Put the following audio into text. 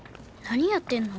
なにやってんの？